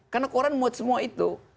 karena koran buat semua itu